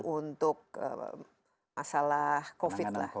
untuk masalah covid lah